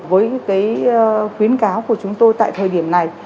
với khuyến cáo của chúng tôi tại thời điểm này